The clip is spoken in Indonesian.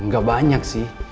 gak banyak sih